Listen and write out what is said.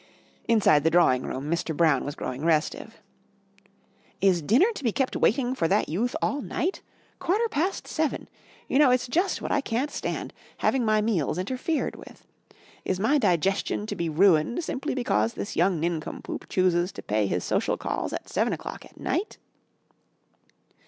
Inside the drawing room, Mr. Brown was growing restive. "Is dinner to be kept waiting for that youth all night? Quarter past seven! You know it's just what I can't stand having my meals interfered with. Is my digestion to be ruined simply because this young nincompoop chooses to pay his social calls at seven o'clock at night?"